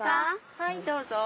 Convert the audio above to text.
はいどうぞ。